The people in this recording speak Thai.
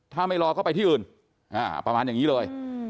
ถ้าไม่รอก็ไปที่อื่นประมาณอย่างนี้เลย